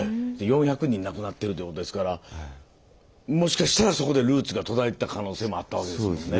で４００人亡くなってるってことですからもしかしたらそこでルーツが途絶えてた可能性もあったわけですよね。